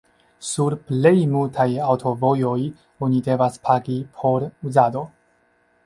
Sur plej multaj aŭtovojoj oni devas pagi por uzado.